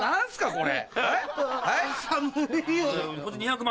これ。